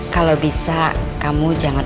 kalau bisa kamu jangan